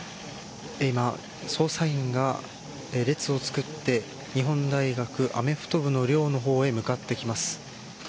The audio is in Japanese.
今、捜査員が列を作って日本大学アメフト部の寮のほうへ向かってきます。